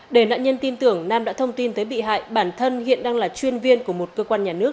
để nạn nhân tin tưởng nam đã thông tin tới bị hại bản thân hiện đang là chuyên viên của một cơ quan nhà nước